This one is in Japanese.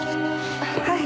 はい。